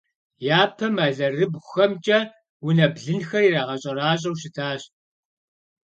Япэм алэрыбгъухэмкӏэ унэ блынхэр ирагъэщӏэращӏэу щытащ.